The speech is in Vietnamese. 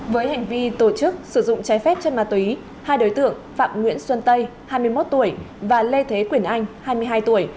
với hành vi tổ chức sử dụng trái phép chân ma túy hai đối tượng phạm nguyễn xuân tây hai mươi một tuổi và lê thế quyền anh hai mươi hai tuổi